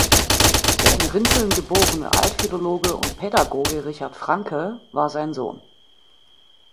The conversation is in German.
Der in Rinteln geborene Altphilologe und Pädagoge Richard Franke war sein Sohn.